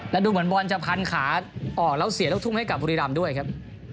และดูเหมือนบอลจะพันขาออกแล้วเสียลูกทุ่งให้กับบุรีรำด้วยครับ